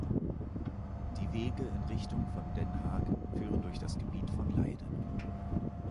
Die Wege in Richtung von Den Haag führen durch das Gebiet von Leiden.